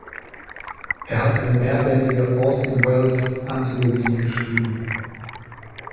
Er hat eine mehrbändige Orson Welles Anthologie geschrieben.